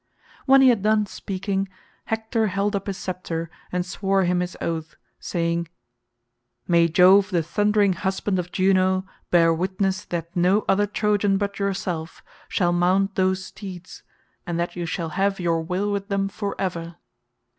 When he had done speaking Hector held up his sceptre, and swore him his oath saying, "May Jove the thundering husband of Juno bear witness that no other Trojan but yourself shall mount those steeds, and that you shall have your will with them for ever."